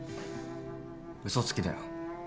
嘘つきだよ